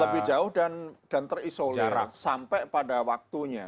lebih jauh dan terisolir sampai pada waktunya